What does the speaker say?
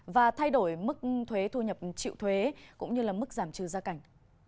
và thay đổi mức thuế thu nhập chịu thuế cũng như mức giảm trừ gia cảnh